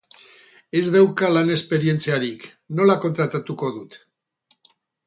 Ez dauka lan esperientziarik!, nola kontratatuko dut?